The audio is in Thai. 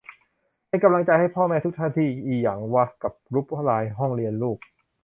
เป็นกำลังใจให้พ่อแม่ทุกท่านที่อิหยังวะกับกรุ๊ปไลน์ห้องเรียนลูก